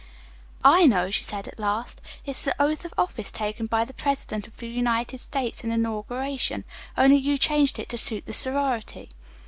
"I know," she said at last. "It's the oath of office taken by the President of the United States at inauguration, only you changed it to suit this sorority."